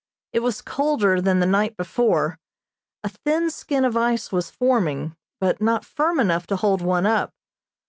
It was colder than the night before, a thin skin of ice was forming, but not firm enough to hold one up.